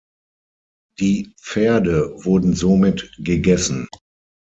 Die Pferde wurden somit gegessen.